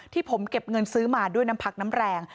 ที่ผมเก็บเงินซื้อมาด้วยน้ำพักน้ำแรง